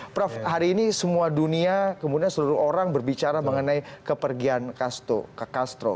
prof hari ini semua dunia kemudian seluruh orang berbicara mengenai kepergian ke castro